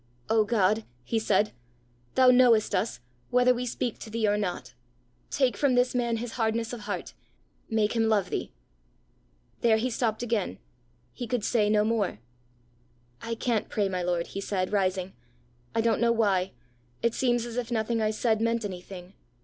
"O God!" he said, "thou knowest us, whether we speak to thee or not; take from this man his hardness of heart. Make him love thee." There he stopped again. He could say no more. "I can't pray, my lord," he said, rising. "I don't know why. It seems as if nothing I said meant anything.